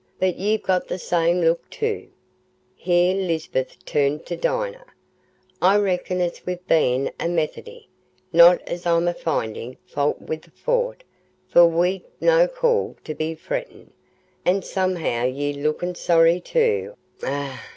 But ye've got the same look too" (here Lisbeth turned to Dinah). "I reckon it's wi' bein' a Methody. Not as I'm a findin' faut wi' ye for't, for ye've no call to be frettin', an' somehow ye looken sorry too.